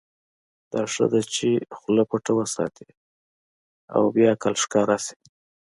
دا ښه ده چې خوله پټه وساتې او بې عقل ښکاره شې.